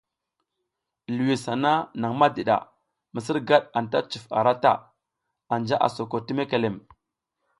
Liwis hana nang madiɗa, misirgad anta cuf ara ta, anja a soko ti mekelem.